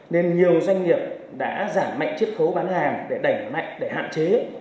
nên nhiều doanh nghiệp đã giảm mạnh chiết khấu bán hàng để đẩy mạnh để hạn chế